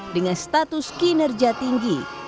dengan status kinerja tinggi